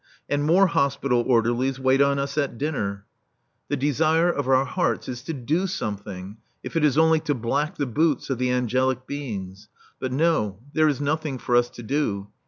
And more hospital orderlies wait on us at dinner. The desire of our hearts is to do something, if it is only to black the boots of the angelic beings. But no, there is nothing for us to do.